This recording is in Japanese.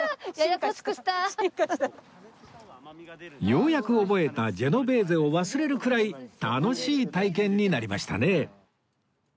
ようやく覚えたジェノベーゼを忘れるくらい楽しい体験になりましたね